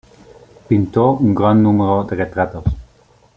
Pintó un gran número de retratos.